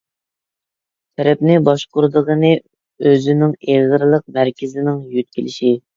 تەرەپنى باشقۇرىدىغىنى ئۆزىنىڭ ئېغىرلىق مەركىزىنىڭ يۆتكىلىشى.